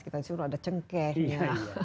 kita disuruh ada cengkehnya